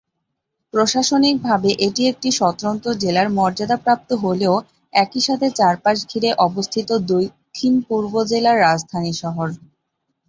প্রশাসনিকভাবে এটি একটি স্বতন্ত্র জেলার মর্যাদাপ্রাপ্ত হলেও একই সাথে চারপাশ ঘিরে অবস্থিত দক্ষিণ-পূর্ব জেলার রাজধানী শহর।